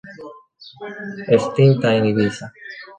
Extinta en Ibiza.